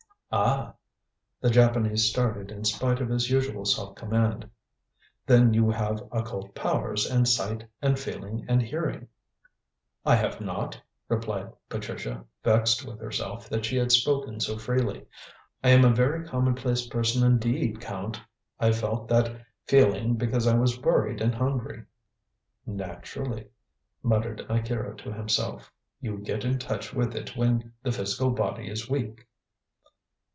"Ah!" the Japanese started in spite of his usual self command. "Then you have occult powers and sight and feeling and hearing?" "I have not," replied Patricia, vexed with herself that she had spoken so freely. "I am a very commonplace person indeed, Count. I felt that feeling because I was worried and hungry." "Naturally!" muttered Akira to himself; "you get in touch with it when the physical body is weak."